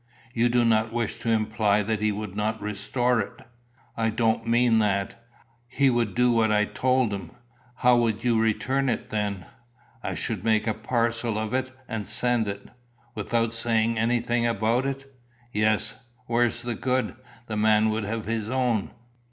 You do not wish to imply that he would not restore it?" "I don't mean that. He would do what I told him." "How would you return it, then?" "I should make a parcel of it, and send it." "Without saying anything about it?" "Yes. Where's the good? The man would have his own."